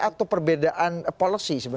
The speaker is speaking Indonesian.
atau perbedaan polosi sebenarnya